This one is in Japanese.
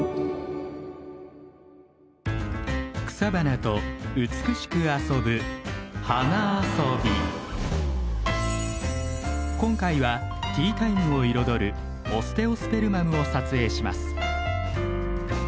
草花と美しく遊ぶ今回はティータイムを彩るオステオスペルマムを撮影します。